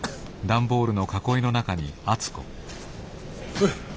おい。